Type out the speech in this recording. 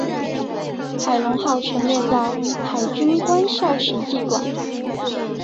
海龙号陈列在海军官校史绩馆。